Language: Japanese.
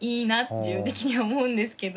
自分的には思うんですけど。